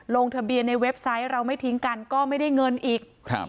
ลงทะเบียนในเว็บไซต์เราไม่ทิ้งกันก็ไม่ได้เงินอีก